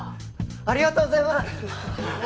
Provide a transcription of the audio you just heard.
ありがとうございます！